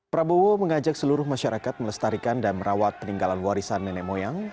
prabowo mengajak seluruh masyarakat melestarikan dan merawat peninggalan warisan nenek moyang